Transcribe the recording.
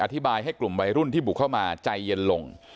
ให้กลุ่มวัยรุ่นที่บุกเข้ามาใจเย็นลง